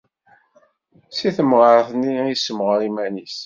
Si temɣer-nni i yessemɣar iman-is.